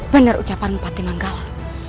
benar ucapanmu patimanggala